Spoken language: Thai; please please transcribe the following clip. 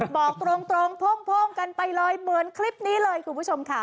บอกตรงโพ่งกันไปเลยเหมือนคลิปนี้เลยคุณผู้ชมค่ะ